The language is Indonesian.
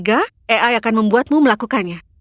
ai akan membuatmu melakukannya